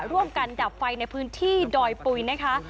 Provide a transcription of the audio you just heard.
ดับไฟในพื้นที่ดอยปุ๋ยนะคะ